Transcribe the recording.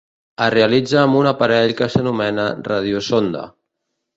Es realitza amb un aparell que s'anomena radiosonda.